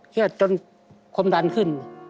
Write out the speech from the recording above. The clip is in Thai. เครียดจนควบดันขึ้น